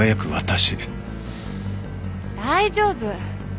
大丈夫。